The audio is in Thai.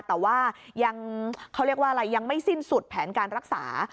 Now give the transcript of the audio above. แต่ว่ายังเขาเรียกว่าอะไรยังไม่สิ้นสุดแผนการรักษา